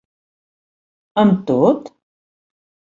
Amb tot?